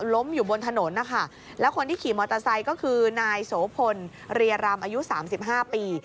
ล้มอยู่บนถนนนะคะแล้วคนที่ขี่มอเตอร์ไซก็คือนายโสพลเรียรามอายุ๓๕ปี